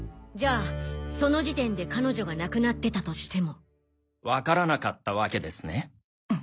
じゃあその時点で彼女が亡くなってたとしても。わからなかったわけですね？